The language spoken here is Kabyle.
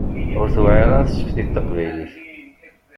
Ur tewɛir ara tseftit taqbaylit.